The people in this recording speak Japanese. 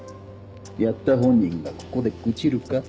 やった本人がここで愚痴るか？